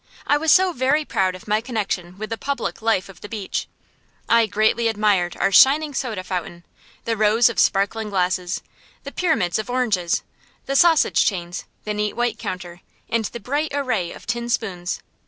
I was very proud of my connection with the public life of the beach. I admired greatly our shining soda fountain, the rows of sparkling glasses, the pyramids of oranges, the sausage chains, the neat white counter, and the bright array of tin spoons.